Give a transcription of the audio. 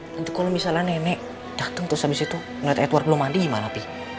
nanti kalo misalnya nenek dateng terus abis itu ngeliat edward belum mandi gimana pih